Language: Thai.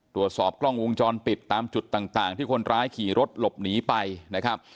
ตรวจสอบกล้องวงจรปิดตามจุดต่างที่คนร้ายขี่รถหลบหนีไปนะครับ